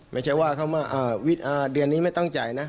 ไม่ใช่ว่าเดือนนี้ไม่ต้องจ่ายนะ